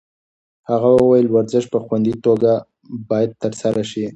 هغې وویل ورزش په خوندي توګه باید ترسره شي.